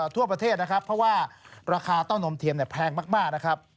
ทั่วประเทศนะครับเพราะว่าราคาเต้านมเทียมแพงมากนะครับ